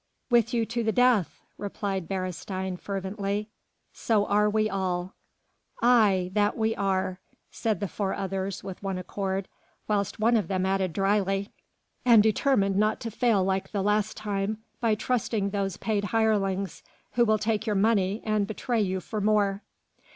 "With you to the death!" replied Beresteyn fervently, "so are we all." "Aye! that we are," said the four others with one accord, whilst one of them added dryly: "And determined not to fail like the last time by trusting those paid hirelings, who will take your money and betray you for more."